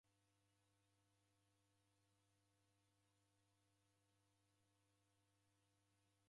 W'aja w'ighenjwagha ni Roho niw'o w'ana w'a Mlungu.